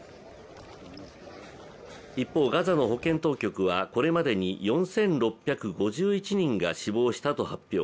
一方、ガザの保健当局はこれまでに４６５１人が死亡したと発表。